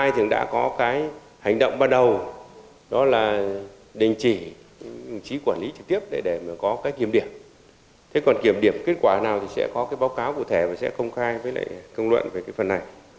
thế còn kiểm điểm kết quả nào thì sẽ có cái báo cáo cụ thể và sẽ công khai với lại công luận về cái phần này